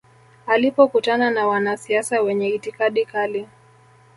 Alipokutana na wanasiasa wenye itikadi kali